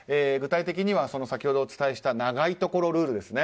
具体的には先ほどお伝えした長いところルール